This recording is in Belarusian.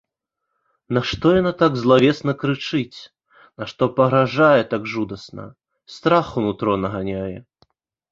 Нашто яна так злавесна крычыць, нашто пагражае так жудасна, страх у нутро наганяе?